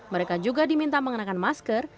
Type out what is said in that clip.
mereka juga diminta mengenakan masker